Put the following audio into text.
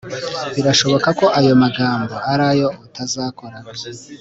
birashoboka ko ayo magambo ari ayo utazakora